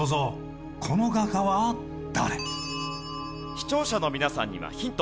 視聴者の皆さんにはヒント。